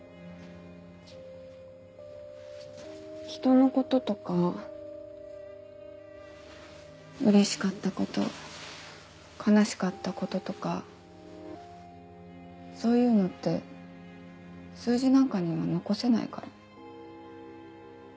人のこととかうれしかったこと悲しかったこととかそういうのって数字なんかには残せないから。